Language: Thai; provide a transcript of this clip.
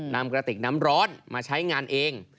นำกระติกน้ำร้อนมาใช้งานเอง